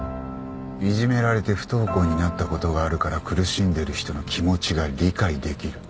「いじめられて不登校になったことがあるから苦しんでる人の気持ちが理解できる」